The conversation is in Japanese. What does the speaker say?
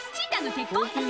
結婚？